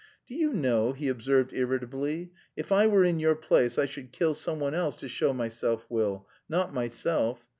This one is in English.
"Do you know," he observed irritably, "if I were in your place I should kill someone else to show my self will, not myself.